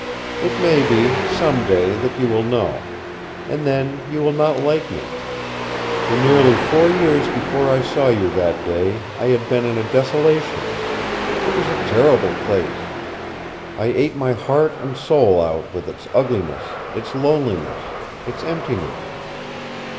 It may be, some day, that you will know. And then you will not like me. For nearly four years before I saw you that day I had been in a desolation. It was a terrible place. It ate my heart and soul out with its ugliness, its loneliness, its emptiness.